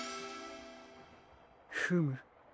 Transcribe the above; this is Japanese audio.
フム。